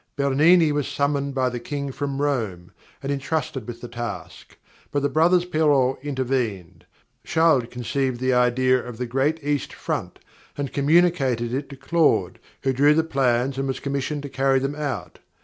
Bernini was summoned by the King from Rome, and entrusted with the task; but the brothers Perrault intervened. Charles conceived the idea of the great east front and communicated it to Claude, who drew the plans and was commissioned to carry them out.